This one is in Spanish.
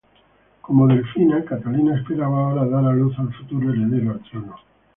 Como delfina, Catalina esperaba ahora dar a luz al futuro heredero al trono.